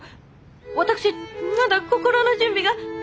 私まだ心の準備が！